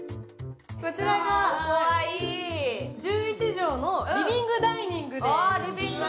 こちらが１１畳のリビングダイニングです。